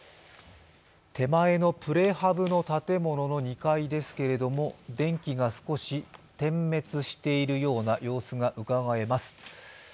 手前のプレハブの建物の２階ですけれども、電気が少し点滅しているような様子がうかがえます。